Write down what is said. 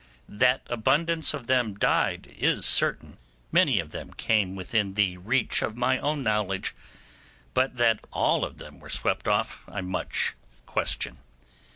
That abundance of them died is certain—many of them came within the reach of my own knowledge—but that all of them were swept off I much question.